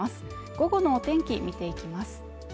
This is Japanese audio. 午後の天気見ていきます。